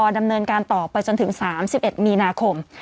ดำเนินการต่อไปจนถึง๓๑มีนาคม